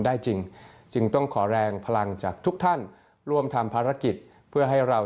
ได้จริงจึงต้องขอแรงพลังจากทุกท่านร่วมทำภารกิจเพื่อให้เรา